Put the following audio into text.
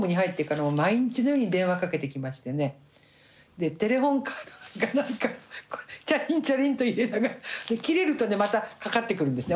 でテレホンカードがないからチャリンチャリンと入れながら切れるとまたかかってくるんですね